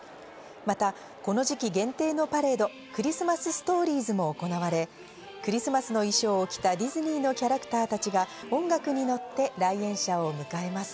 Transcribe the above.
またこの時期限定のパレード、クリスマス・ストーリーズも行われ、クリスマスの衣装を着たディズニーのキャラクターたちが、音楽にのって来園者を迎えます。